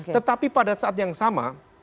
tetapi pada saat yang sama